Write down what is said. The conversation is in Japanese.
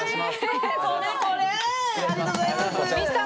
これこれ、ありがとうございます。